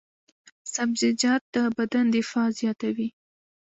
سبزیجات د بدن دفاع زیاتوي.